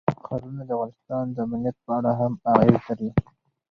ښارونه د افغانستان د امنیت په اړه هم اغېز لري.